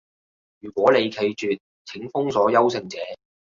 如果你拒絕，請封鎖優勝者